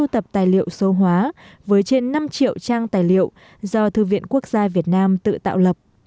bộ sưu tập tài liệu sâu hóa với trên năm triệu trang tài liệu do thư viện quốc gia việt nam tự tạo lập